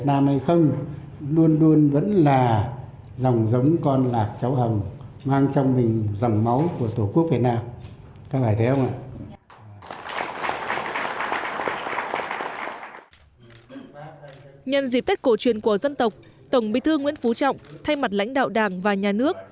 nhân dịp tết cổ truyền của dân tộc tổng bí thư nguyễn phú trọng thay mặt lãnh đạo đảng và nhà nước